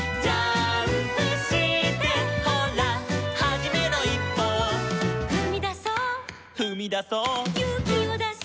「ほらはじめのいっぽを」「ふみだそう」「ふみだそう」「ゆうきをだして」